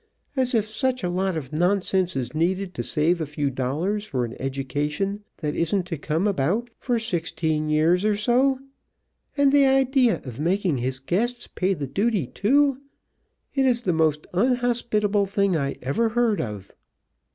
As if such a lot of nonsense is needed to save a few dollars for an education that isn't to come about for sixteen years or so! And the idea of making his guests pay the duty too! It is the most unhospitable thing I ever heard of!"